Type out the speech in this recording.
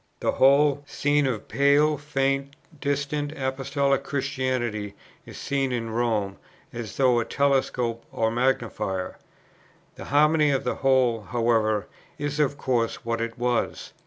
The whole scene of pale, faint, distant Apostolic Christianity is seen in Rome, as through a telescope or magnifier. The harmony of the whole, however, is of course what it was.